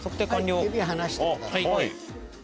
はい指離してください。